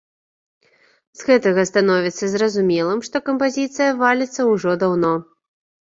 З гэтага становіцца зразумелым, што кампазіцыя валіцца ўжо даўно.